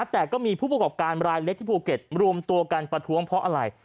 แต่ก็มีผู้ประกอบการรายเล็กที่ภูเก็ตรวมตัวกันประท้วงเพราะอะไร